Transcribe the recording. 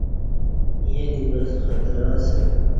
ییں دیوکہ خطرہ اسہ